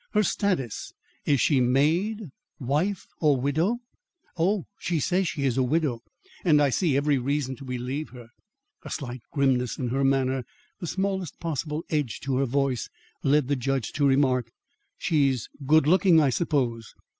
"Her status? Is she maid, wife or widow?" "Oh, she says she is a widow, and I see every reason to believe her." A slight grimness in her manner, the smallest possible edge to her voice, led the judge to remark: "She's good looking, I suppose."